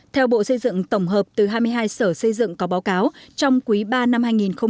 theo bộ xây dựng tổng hợp từ hai mươi hai sở xây dựng có báo cáo trong quý ba năm hai nghìn hai mươi